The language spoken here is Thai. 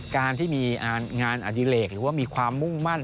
การที่มีงานอดิเลกหรือว่ามีความมุ่งมั่น